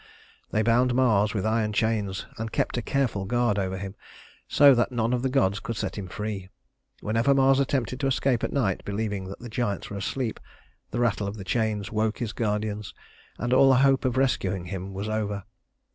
They bound Mars with iron chains, and kept a careful guard over him so that none of the gods could set him free. Whenever Mars attempted to escape at night, believing that the giants were asleep, the rattle of the chains woke his guardians, and all hope of rescuing him was over.